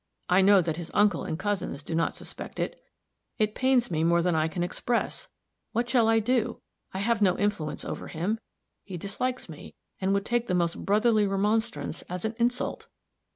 I know that his uncle and cousins do not suspect it. It pains me more than I can express. What shall I do? I have no influence over him. He dislikes me, and would take the most brotherly remonstrance as an insult."